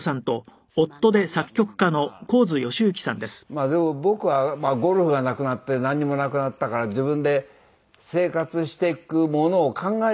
まあでも僕はゴルフがなくなってなんにもなくなったから自分で生活していくものを考えるようにしとかないとね。